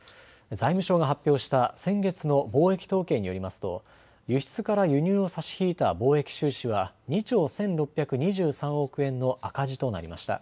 財務省が発表した先月の貿易統計によりますと輸出から輸入を差し引いた貿易収支は２兆１６２３億円の赤字となりました。